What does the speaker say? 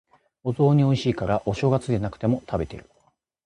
お雑煮美味しいから、お正月じゃなくても食べてる。